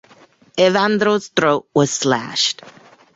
Evandro’s throat was slashed.